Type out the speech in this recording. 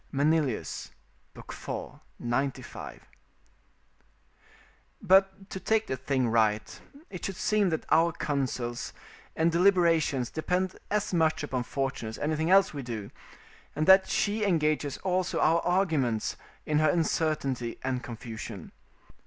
Manilius, iv. 95.] But, to take the thing right, it should seem that our counsels and deliberations depend as much upon fortune as anything else we do, and that she engages also our arguments in her uncertainty and confusion.